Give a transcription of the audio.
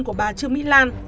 của bà trương mỹ lan